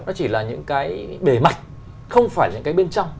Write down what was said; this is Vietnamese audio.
nó chỉ là những cái bề mặt không phải những cái bên trong